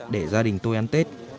để gia đình tôi ăn tết